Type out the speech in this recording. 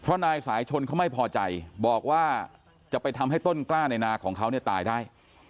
เพราะนายสายชนเขาไม่พอใจบอกว่าจะไปทำให้ต้นกล้าในนาของเขาเนี่ยตายได้